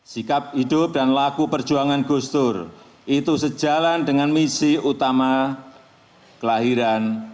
sikap hidup dan laku perjuangan gus dur itu sejalan dengan misi utama kelahiran